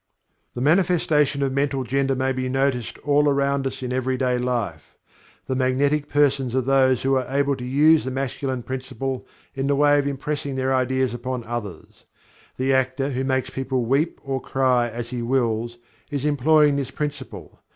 The manifestation of Mental Gender may be noticed all around us in everyday life. The magnetic persons are those who are able to use the Masculine Principle in the way of impressing their ideas upon others. The actor who makes people weep or cry as he wills, is employing this principle.